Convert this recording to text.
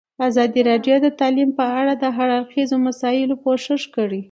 ازادي راډیو د تعلیم په اړه د هر اړخیزو مسایلو پوښښ کړی.